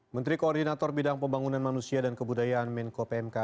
menteri koordinator bidang pembangunan manusia dan kebudayaan menko pmk